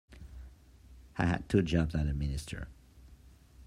I had two jobs as a minister.